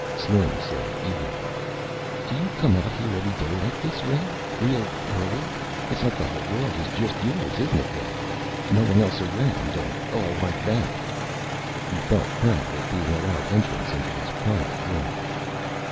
Slim said, eagerly, "Do you come out here every day like this, Red? Real early? It's like the whole world is just yours, isn't it, Red? No one else around and all like that." He felt proud at being allowed entrance into this private world.